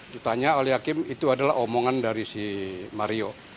ditanya oleh hakim itu adalah omongan dari si mario